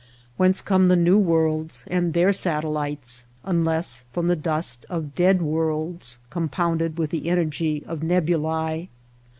Whence come the new worlds and their satellites unless from the dust of dead worlds compounded with the energy of nebulas